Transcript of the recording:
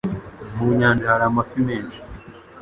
Mu nyanja hari amafi menshi.